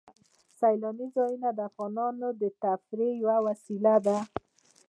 سیلاني ځایونه د افغانانو د تفریح یوه وسیله ده.